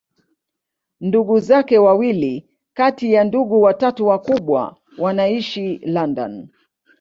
Ndugu zake wawili kati ya ndugu watatu wakubwa wanaishi London.